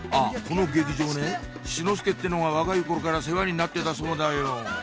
この劇場ね志の輔ってのが若い頃から世話になってたそうだよ